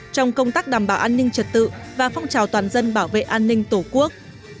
trong công tác đảm bảo an ninh trật tự và phong trào toàn dân bảo vệ an ninh tổ quốc